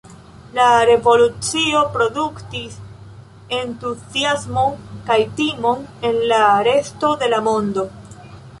La revolucio produktis entuziasmon kaj timon en la resto de la mondo.